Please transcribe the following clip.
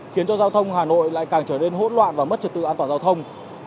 khiến cho giao thông hà nội lại càng trở nên hỗn loạn và mất trật tự an toàn giao thông